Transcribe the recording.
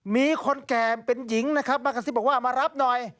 มีคนแก่เป็นหญิงนะครับมากระซิบบอกว่ามารับหน่อย